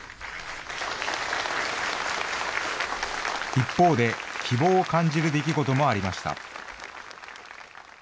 一方で、希望を感じる出来事もありました。